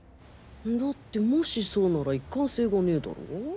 だってもしそうなら一貫性がねえだろ。